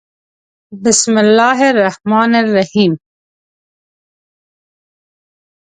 《بِسْمِ اللَّـهِ الرَّحْمَـٰنِ الرَّحِيمِ》